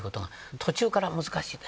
途中からは難しいです。